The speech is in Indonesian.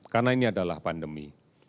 karena ini adalah pandemi